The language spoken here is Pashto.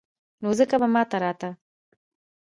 نو ځکه به ما ته راته.